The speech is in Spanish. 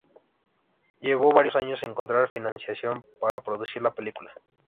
Llevó varios años encontrar financiación para producir la película.